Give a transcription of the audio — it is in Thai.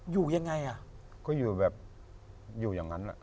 อยู่ยังไงอ่ะก็อยู่แบบอยู่อย่างนั้นอ่ะ